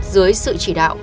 dưới sự chỉ đạo